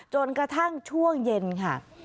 จนกระทั่งช่วงเย็นค่ะ